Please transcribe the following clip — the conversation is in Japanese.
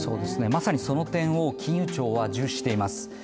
まさにその点を金融庁は重視しています。